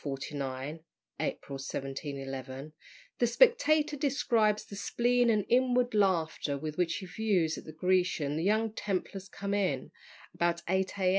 49 (April 1711), the Spectator describes the spleen and inward laughter with which he views at the Grecian the young Templars come in, about 8 A.